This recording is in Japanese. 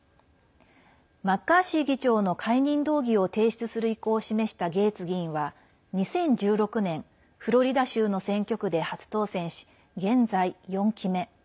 マッカーシー議長の解任動議を提出する意向を示したゲーツ議員は２０１６年、フロリダ州の選挙区で初当選し、現在４期目。